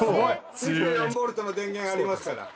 ２４ボルトの電源ありますから。